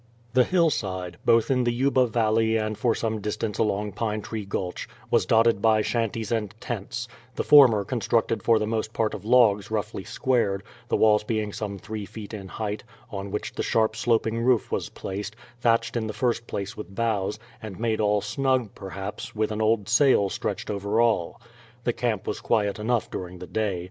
The hillside, both in the Yuba Valley and for some distance along Pine Tree Gulch, was dotted by shanties and tents; the former constructed for the most part of logs roughly squared, the walls being some three feet in height, on which the sharp sloping roof was placed, thatched in the first place with boughs, and made all snug, perhaps, with an old sail stretched over all. The camp was quiet enough during the day.